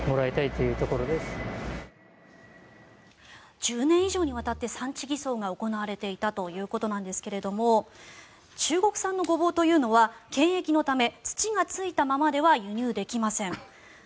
１０年以上にわたって産地偽装が行われていたということですが中国産のゴボウというのは権益のため土がついたままでは輸入できません。